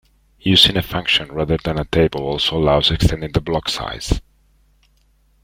Using a function rather than a table also allows extending the block size.